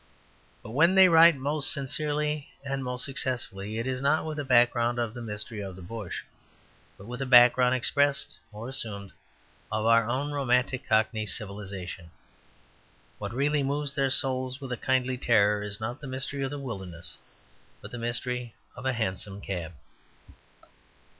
But when they write most sincerely and most successfully, it is not with a background of the mystery of the bush, but with a background, expressed or assumed, of our own romantic cockney civilization. What really moves their souls with a kindly terror is not the mystery of the wilderness, but the Mystery of a Hansom Cab.